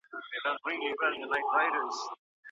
تجربو ثابته کړه چي دا دوستي پايلي نلري.